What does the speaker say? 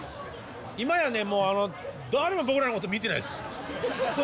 今やねもう誰も僕らのこと見てないです。